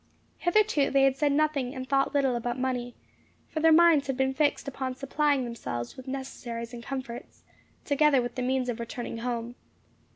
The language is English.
Hitherto they had said nothing and thought little about money; for their minds had been fixed on supplying themselves with necessaries and comforts, together with the means of returning home.